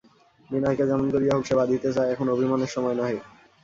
বিনয়কে যেমন করিয়া হউক সে বাঁধিতে চায়, এখন অভিমানের সময় নহে।